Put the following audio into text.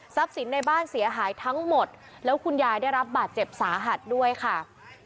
สินในบ้านเสียหายทั้งหมดแล้วคุณยายได้รับบาดเจ็บสาหัสด้วยค่ะ